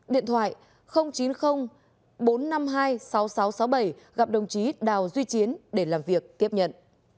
điện thoại chín mươi bốn trăm năm mươi hai sáu nghìn sáu trăm sáu mươi bảy gặp đồng chí đào duy chiến để làm việc tiếp nhận